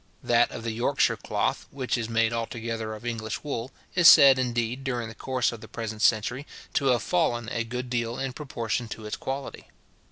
That of the Yorkshire cloth, which is made altogether of English wool, is said, indeed, during the course of the present century, to have fallen a good deal in proportion to its quality.